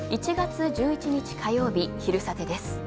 １月１１日火曜日、「昼サテ」です。